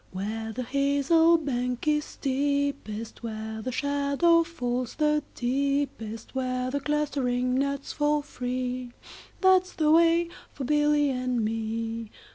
Where the hazel bank is steepest, Where the shadow falls the deepest, Where the clustering nuts fall free, 15 That 's the way for Billy and me.